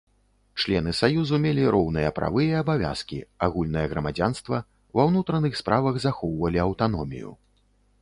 Члены саюзу мелі роўныя правы і абавязкі, агульнае грамадзянства, ва ўнутраных справах захоўвалі аўтаномію.